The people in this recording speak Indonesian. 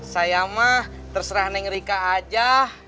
saya mah terserah neng rika aja